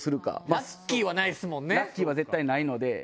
ラッキーは絶対ないので。